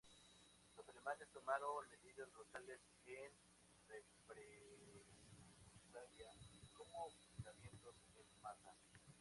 Los alemanes tomaron medidas brutales en represalia, como fusilamientos en masa.